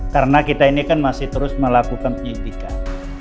karena kita ini kan masih terus melakukan penyelidikan